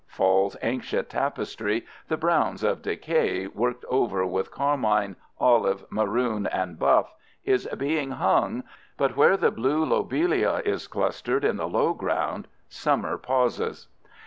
Fall's ancient tapestry, the browns of decay worked over with carmine, olive, maroon, and buff, is being hung, but where the blue lobelia is clustered in the lowground summer pauses.